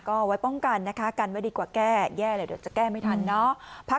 ก็ไว้ป้องกันนะคะกันไว้ดีกว่าแก้แย่เลยเดี๋ยวจะแก้ไม่ทันเนาะ